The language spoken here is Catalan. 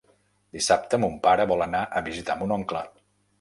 Dissabte mon pare vol anar a visitar mon oncle.